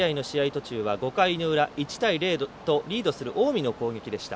途中は５回の裏１対０とリードする近江の攻撃でした。